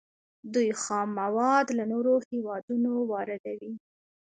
دوی خام مواد له نورو هیوادونو واردوي.